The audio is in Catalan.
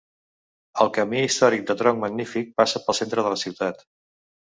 El camí històric de tronc magnífic passa pel centre de la ciutat.